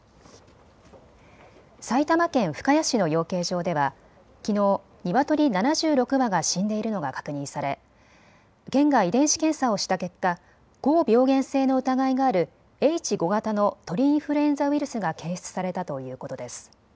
埼玉県深谷市の養鶏場ではきのうニワトリ７６羽が死んでいるのが確認され県が遺伝子検査をした結果、高病原性の疑いがあるＨ５型の鳥インフルエンザウイルスが検出されたということです。